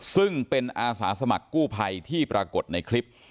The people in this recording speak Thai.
ซึ่งเป็นอาสาสมัครกู้ภัยที่ปรากฏในคลิป